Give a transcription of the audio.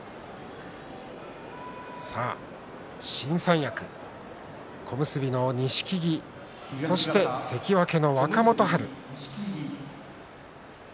新三役、小結の錦木関脇の若元春。